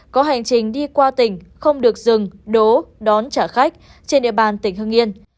có hành trình đi qua tỉnh không được dừng đỗ đón trả khách trên địa bàn tỉnh hưng yên